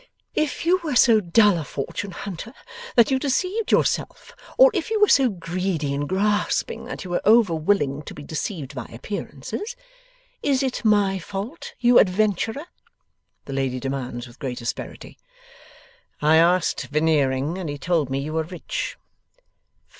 'If you were so dull a fortune hunter that you deceived yourself, or if you were so greedy and grasping that you were over willing to be deceived by appearances, is it my fault, you adventurer?' the lady demands, with great asperity. 'I asked Veneering, and he told me you were rich.